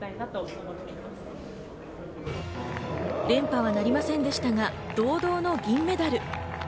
連覇はなりませんでしたが堂々の銀メダル。